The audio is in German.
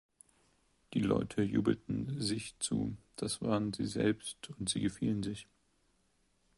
Die Leute jubelten "sich" zu, das waren sie selbst, und sie gefielen sich.